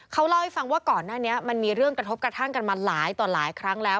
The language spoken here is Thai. เขาเล่าให้ฟังว่าก่อนหน้านี้มันมีเรื่องกระทบกระทั่งกันมาหลายต่อหลายครั้งแล้ว